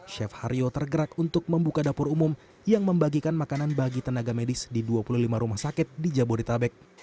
chef harjo tergerak untuk membuka dapur umum yang membagikan makanan bagi tenaga medis di dua puluh lima rumah sakit di jabodetabek